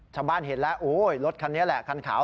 ชาวบ้านเห็นแล้วโอ้ยรถคันนี้แหละคันขาว